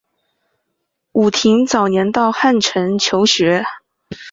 武亭早年到汉城求学。